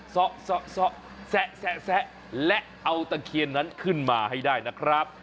ซะและเอาตะเคียนนั้นขึ้นมาให้ได้นะครับ